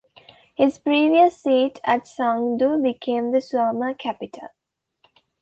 His previous seat at Shangdu became the summer capital.